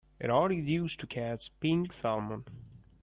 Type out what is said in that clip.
A rod is used to catch pink salmon.